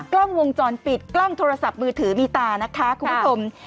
กล้องวงจรปิดกล้องโทรศัพท์มือถือมีตานะคะคุณผู้ชม